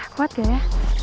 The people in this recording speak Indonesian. kuat gak ya